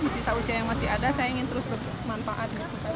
sisa usia yang masih ada saya ingin terus bermanfaat